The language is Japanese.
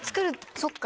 そっか。